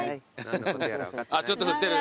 あっちょっと振ってる。